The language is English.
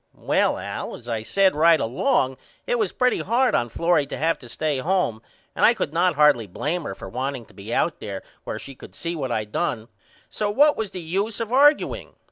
Well Al as I said right along it was pretty hard on Florrie to have to stay home and I could not hardly blame her for wanting to be out there where she could see what I done so what was the use of argueing?